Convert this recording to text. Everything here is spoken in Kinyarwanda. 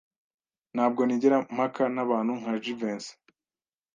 Ntabwo nigera mpaka n'abantu nka Jivency.